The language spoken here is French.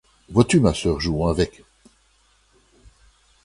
Vois-tu, ma sœur, jouons avec.